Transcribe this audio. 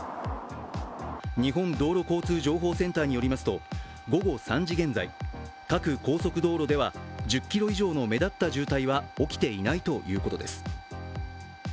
日本道路交通情報センターによりますと、午後３時現在、各高速道路では１０ｋｍ以上の目立った渋滞は起きていないということです。